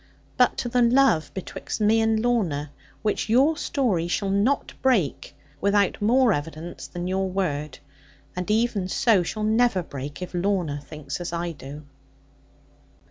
But to the love betwixt me and Lorna; which your story shall not break, without more evidence than your word. And even so, shall never break; if Lorna thinks as I do.'